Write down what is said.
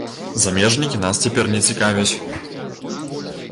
Замежнікі нас цяпер не цікавяць.